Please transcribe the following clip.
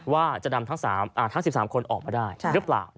ว่าจะนำทั้ง๑๓คนออกมาได้หรือเปล่า